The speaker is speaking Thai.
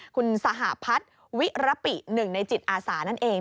คุณสหพัฒน์วิรปิหนึ่งในจิตอาสานั่นเอง